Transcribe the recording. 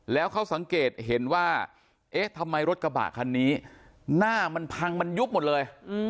แล้วเขาสังเกตเห็นว่าเอ๊ะทำไมรถกระบะคันนี้หน้ามันพังมันยุบหมดเลย